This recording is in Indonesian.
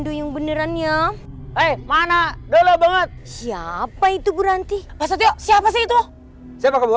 doyong beneran ya eh mana dulu banget siapa itu berhenti siapa sih itu siapa kebua